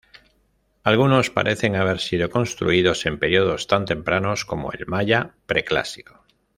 Algunos parecen haber sido construidos en períodos tan tempranos como el maya preclásico.